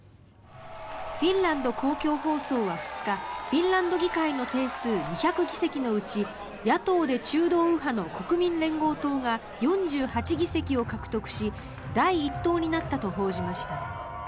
フィンランド公共放送は２日フィンランド議会の定数２００議席のうち野党で中道右派の国民連合党が４８議席を獲得し第１党になったと報じました。